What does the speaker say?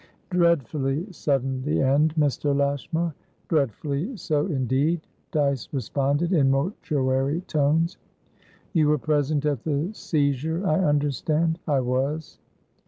"Dreadfully sudden, the end, Mr. Lashmar!" "Dreadfully so, indeed," Dyce responded, in mortuary tones. "You were present at the seizure, I understand?" "I was."